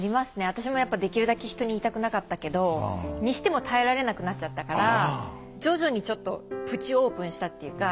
私もやっぱできるだけ人に言いたくなかったけどにしても耐えられなくなっちゃったから徐々にちょっとプチオープンしたっていうか。